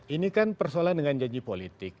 ini kan persoalan dengan janji politik